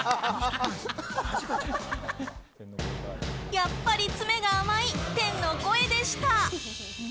やっぱり詰めが甘い天の声でした。